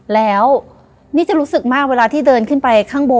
และยินดีต้อนรับทุกท่านเข้าสู่เดือนพฤษภาคมครับ